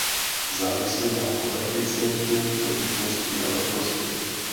Závisí na koeficientu propustnosti a vlhkosti.